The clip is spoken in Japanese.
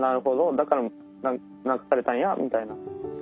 だからながされたんや」みたいな。